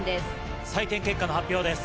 採点結果の発表です。